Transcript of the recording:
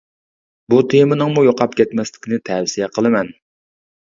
بۇ تېمىنىڭمۇ يوقاپ كەتمەسلىكىنى تەۋسىيە قىلىمەن!